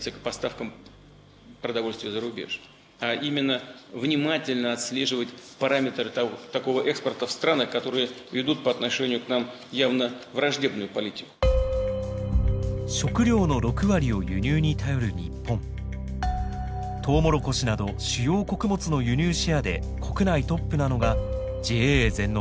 トウモロコシなど主要穀物の輸入シェアで国内トップなのがＪＡ全農です。